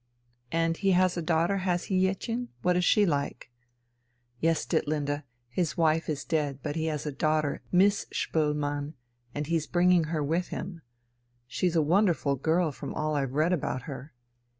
"And he has a daughter, has he, Jettchen? What's she like?" "Yes, Ditlinde, his wife is dead, but he has a daughter, Miss Spoelmann, and he's bringing her with him. She's a wonderful girl from all I've read about her.